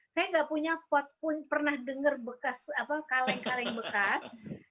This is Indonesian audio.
saya nggak punya pot pun pernah dengar bekas kaleng kaleng bekas